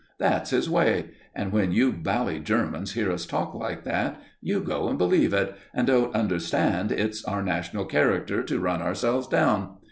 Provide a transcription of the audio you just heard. That's his way, and when you bally Germans hear us talk like that, you go and believe it, and don't understand it's our national character to run ourselves down.